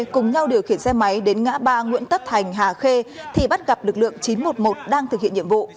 cùng nhau điều khiển xe máy đến ngã ba nguyễn tất thành hà khê thì bắt gặp lực lượng chín trăm một mươi một đang thực hiện nhiệm vụ